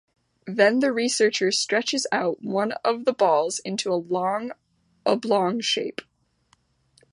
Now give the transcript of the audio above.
Then the researcher stretches out one of the balls into a long oblong shape.